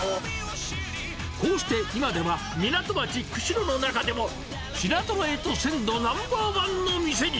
こうして、今では港町、釧路の中でも、品ぞろえと鮮度ナンバーワンの店に。